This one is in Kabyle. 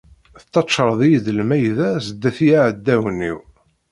Tettaččareḍ-iyi-d lmayda sdat yiɛdawen-iw.